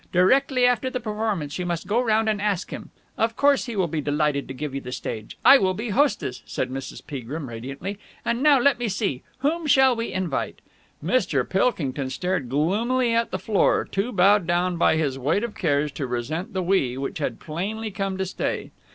Directly after the performance you must go round and ask him. Of course he will be delighted to give you the stage. I will be hostess," said Mrs. Peagrim radiantly. "And now, let me see, whom shall we invite?" Mr. Pilkington stared gloomily at the floor, too bowed down by his weight of cares to resent the "we," which had plainly come to stay.